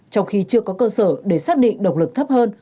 trong khi chưa có cơ sở để xác định độc lực thấp hơn